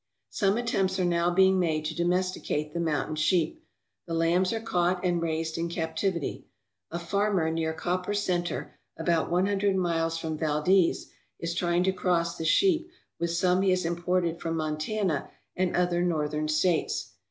Some attempts are now being made to domesticate the mountain sheep. The lambs are caught and raised in captivity. A farmer near Copper Centre, about one hundred miles from Valdez, is trying to cross the sheep with some he has imported from Montana and other Northern States.